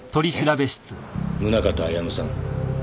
宗方綾乃さん